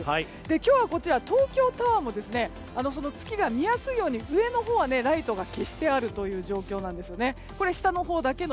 今日は、東京タワーも月が見やすいように上のほうはライトが消してある状況です。